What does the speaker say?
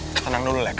tenang dulu lex